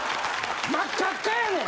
真っ赤っかやねん。